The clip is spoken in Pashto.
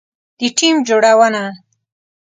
د ټیم جوړونه